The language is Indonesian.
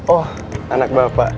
oh anak bapak